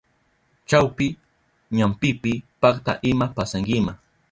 Chawpi ñampipi pakta ima pasankima.